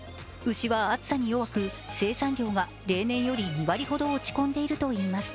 牛は暑さに弱く、生産量が例年より２割ほど落ち込んでいるといいます。